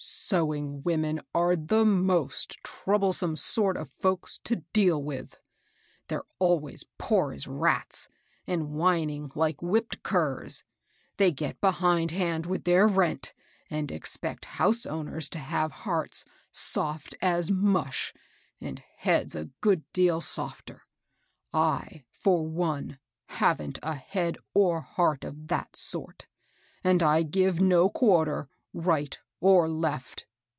"Sewing women are the most troublesome sort of folks to deal with. They're always poor as rats, and whining like whipped curs. They get behindhand with their rent, and expect house owners to have hearts soft as mush, and heads a good deal softer. J, for one, haven't a head or heart of that sort, and I give no quarter, right or left."